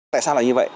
tại sao là như vậy